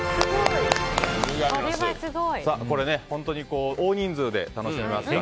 これ、本当に大人数で楽しめますから。